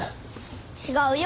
違うよ。